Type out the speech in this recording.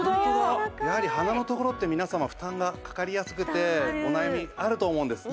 やはり鼻のところって皆様負担がかかりやすくてお悩みあると思うんです。